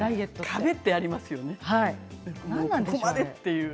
壁ってありますよね。